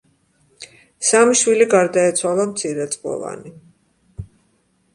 სამი შვილი გარდაეცვალა მცირეწლოვანი.